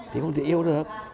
thì không thể yêu được